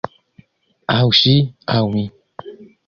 Aŭ ŝi aŭ mi!